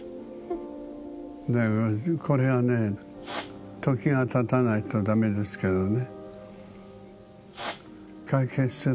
これはねえ時がたたないと駄目ですけどね。